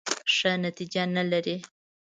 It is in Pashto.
ښه نتیجه نه لري .